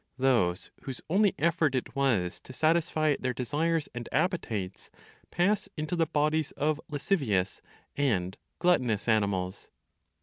Those whose only effort it was to satisfy their desires and appetites pass into the bodies of lascivious and gluttonous animals.